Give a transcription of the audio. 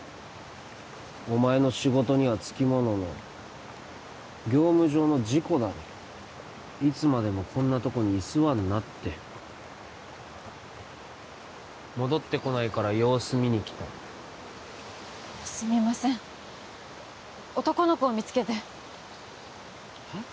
お前の仕事にはつきものの業務上の事故だろいつまでもこんなとこに居座んなって戻ってこないから様子見に来たすみません男の子を見つけてへっ？